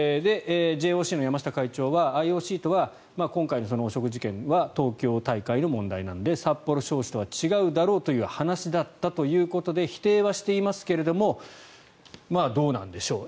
ＪＯＣの山下会長はＩＯＣとは今回の汚職事件は東京大会の問題なので札幌招致とは違うだろうという話だったということで否定はしていますがどうなんでしょう